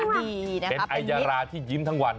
เป็นไอยาราที่ยิ้มทั้งวัน